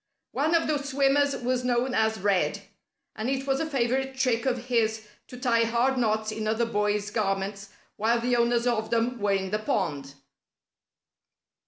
One of the swimmers was known as "Red." And it was a favorite trick of his to tie hard knots in other boys' garments while the owners of them were in the pond.